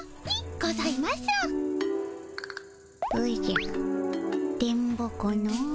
おじゃ電ボ子のう。